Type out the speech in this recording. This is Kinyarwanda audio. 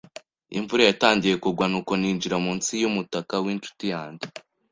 Imvura yatangiye kugwa, nuko ninjira munsi yumutaka winshuti yanjye.